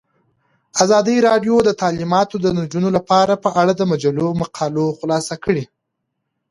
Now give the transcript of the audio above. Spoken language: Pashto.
ازادي راډیو د تعلیمات د نجونو لپاره په اړه د مجلو مقالو خلاصه کړې.